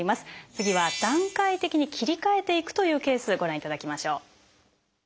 次は段階的に切り替えていくというケースご覧いただきましょう。